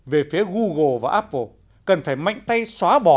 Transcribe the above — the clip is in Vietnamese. về phía google và apple cần phải mạnh tay xóa bỏ